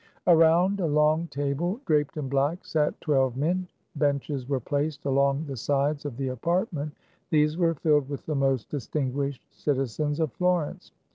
Around a long table, draped in black, sat twelve men. Benches were placed along the sides of the apartment. These were filled with the most distinguished citizens of Florence.